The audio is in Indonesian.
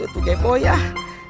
ayu tuh gue boyah